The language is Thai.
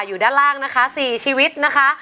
อยู่ด้านล่างนะคะ๔ชีวิตนะคะ